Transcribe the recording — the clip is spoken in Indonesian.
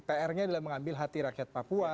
pr nya adalah mengambil hati rakyat papua